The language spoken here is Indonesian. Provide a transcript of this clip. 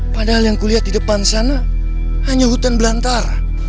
padahal yang kulihat di depan sana hanya hutan belantara